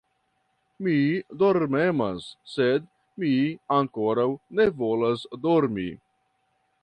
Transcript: Mi dormemas, sed mi ankoraŭ ne volas dormi.